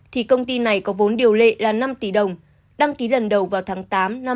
thì công ty này có vốn điều lệ là năm tỷ đồng đăng ký lần đầu vào tháng tám năm hai nghìn hai mươi